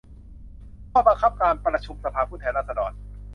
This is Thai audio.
ข้อบังคับการประชุมสภาผู้แทนราษฎร